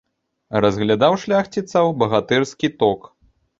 Разглядаў шляхціцаў багатырскі ток.